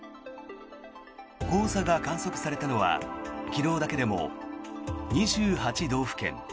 黄砂が観測されたのは昨日だけでも２８道府県。